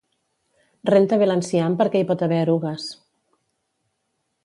Renta bé l'enciam perquè hi pot haver erugues